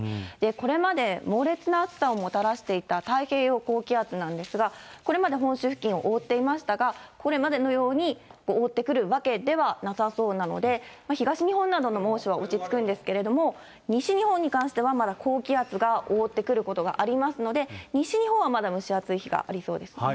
これまで猛烈な暑さをもたらしていた太平洋高気圧なんですが、これまで本州付近を覆っていましたが、これまでのように覆ってくるわけではなさそうなので、東日本などの猛暑は落ち着くんですけれども、西日本に関しては、まだ高気圧が覆ってくることがありますので、西日本はまだ蒸し暑い日がありそうですね。